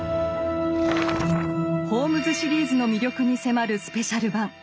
ホームズ・シリーズの魅力に迫るスペシャル版。